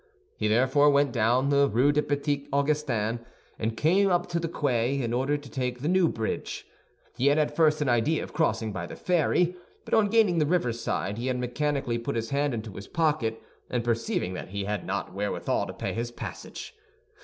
He therefore went down the Rue des Petits Augustins, and came up to the quay, in order to take the New Bridge. He had at first an idea of crossing by the ferry; but on gaining the riverside, he had mechanically put his hand into his pocket, and perceived that he had not wherewithal to pay his passage.